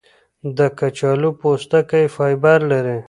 د کچالو پوستکی فایبر لري.